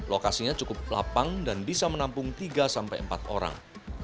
lokasinya cukup lapang dan bisa menampung tiga sampai empat orang